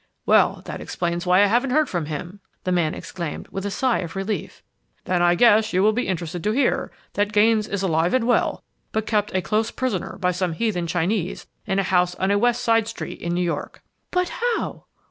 "Well, that explains why I haven't heard from him!" the man exclaimed, with a sigh of relief. "Then I guess you will be interested to hear that Gaines is alive and well, but kept a close prisoner by some heathen Chinese in a house on a west side street in New York." "But how?